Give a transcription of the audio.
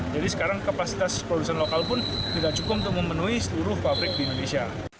jadi sekarang kapasitas produksi lokal pun tidak cukup untuk memenuhi seluruh pabrik di indonesia